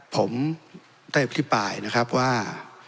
ผมได้อภิปรายนะครับว่า